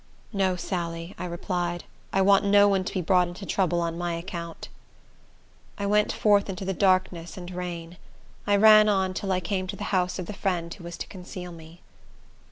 "No, Sally," I replied, "I want no one to be brought into trouble on my account." I went forth into the darkness and rain. I ran on till I came to the house of the friend who was to conceal me.